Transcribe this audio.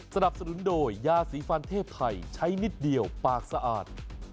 สนับสนุนโดยยาสีฟันเทพไทยใช้นิดเดียวปากสะอาด